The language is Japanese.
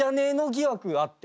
疑惑あって。